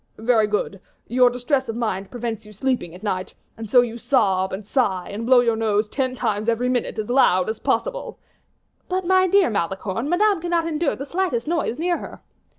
"Very good; your distress of mind prevents you sleeping at night, and so you sob, and sigh, and blow your nose ten times every minute as loud as possible." "But, my dear Malicorne, Madame cannot endure the slightest noise near her."